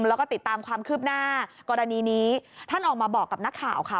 แล้วก็ติดตามความคืบหน้ากรณีนี้ท่านออกมาบอกกับนักข่าวค่ะ